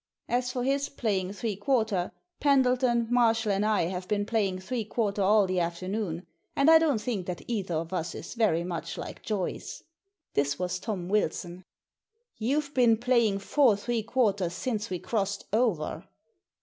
"As for his playing three quarter, Pendleton, Marshall, and I have been playing three quarter all the afternoon, and I don't think that either of us is very much like Joyce." This was Tom Wilson. " YouVe been playing four three quarters since we crossed over."